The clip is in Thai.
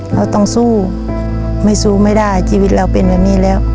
เราต้องสู้ไม่สู้ไม่ได้ชีวิตเราเป็นแบบนี้แล้ว